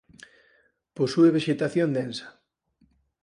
Posúe vexetación densa.